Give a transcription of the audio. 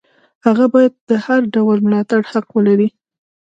هغه باید د هر ډول ملاتړ حق ولري.